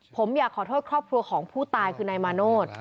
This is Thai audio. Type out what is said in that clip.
ผมอยากขอโทษครอบครัวของผู้ตายคือนายมาโนธ